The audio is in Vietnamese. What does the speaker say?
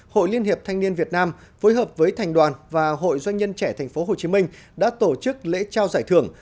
hội liên hiệp thanh niên việt nam phối hợp với thành đoàn và hội doanh nhân trẻ tp hcm đã tổ chức lễ trao giải thưởng